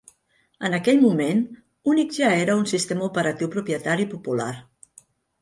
En aquell moment, Unix ja era un sistema operatiu propietari popular.